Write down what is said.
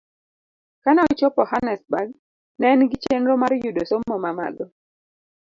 Kane ochopo Hannesburg, ne en gi chenro mar yudo somo mamalo